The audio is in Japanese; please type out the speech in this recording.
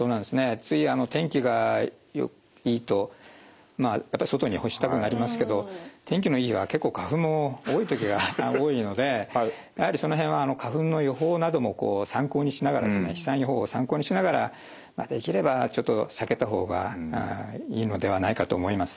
つい天気がいいとまあやっぱり外に干したくなりますけど天気のいい日は結構花粉も多い時が多いのでやはりその辺は花粉の予報なども参考にしながら飛散予報を参考にしながらできればちょっと避けた方がいいのではないかと思います。